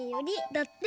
だって。